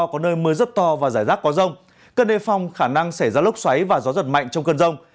có nơi mưa rất to và rải rác có rông cần đề phòng khả năng xảy ra lốc xoáy và gió giật mạnh trong cơn rông